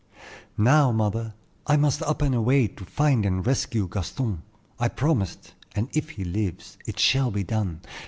"Now, mother, I must up and away to find and rescue Gaston. I promised, and if he lives, it shall be done.